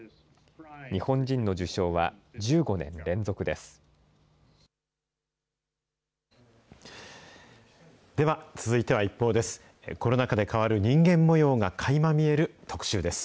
日本人の受賞は１５年連続です。